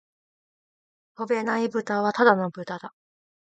飛べないブタはただの豚だ